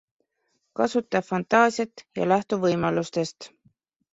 Kasuta fantaasiat ja lähtu võimalustest.